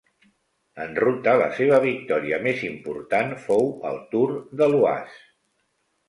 En ruta la seva victòria més important fou al Tour de l'Oise.